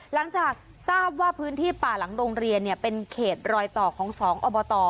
หลังจากทราบว่าพื้นที่ป่าหลังโรงเรียนเป็นเขตรอยต่อของ๒อบต